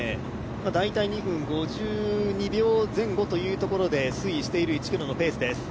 大体２分５２秒前後というところで推移している１ｋｍのペースです